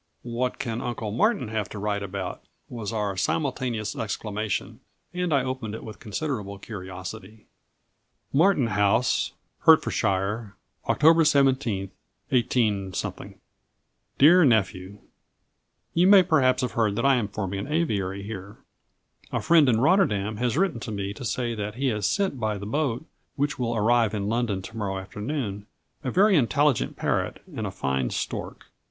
"What can uncle Martin have to write about?" was our simultaneous exclamation, and I opened it with considerable curiosity. "MARTIN HOUSE, HERTS, Oct. 17, 18 . "DEAR NEPHEW, "You may perhaps have heard that I am forming an aviary here. A friend in Rotterdam has written to me to say that he has sent by the boat, which will arrive in London to morrow afternoon, a very intelligent parrot and a fine stork.